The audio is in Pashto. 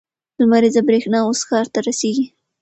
لمریزه برېښنا اوس ښار ته رسیږي.